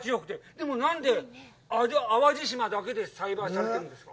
でも、なんで淡路島だけで栽培されているんですか。